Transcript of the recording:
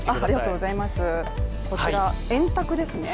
こちら、円卓ですね。